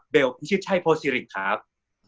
พิชิตชัยโพศิรินครับ